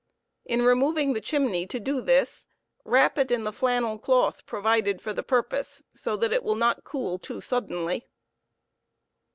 In removing the chimney to do this, wrap it in the flannel cloth provided for the purpose, so that it will not cool too suddenly.